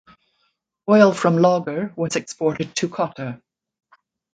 Oil from Logger was exported to Kotter.